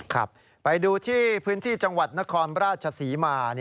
ครับไปดูที่พื้นที่จังหวัดนครราชศรีมา